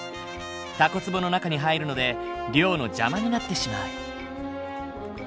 タコつぼの中に入るので漁の邪魔になってしまう。